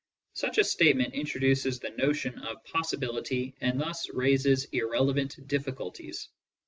Such a state ment introduces the notion of possibility and thus raises irrelevant diflSculties.